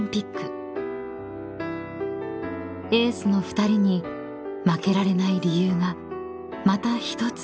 ［エースの２人に負けられない理由がまた１つ増えました］